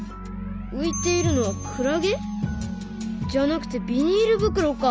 浮いているのはクラゲ？じゃなくてビニール袋か。